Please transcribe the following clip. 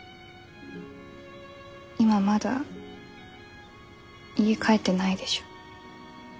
今まだ家帰ってないでしょ。